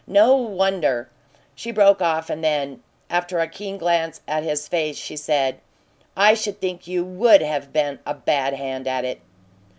No wonder " She broke off, and then, after a keen glance at his face, she said: "I should think you WOULD have been a 'bad hand at it'!"